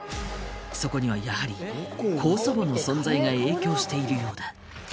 そこにはやはり高祖母の存在が影響しているようだ。